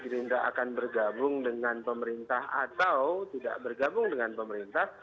gerindra akan bergabung dengan pemerintah atau tidak bergabung dengan pemerintah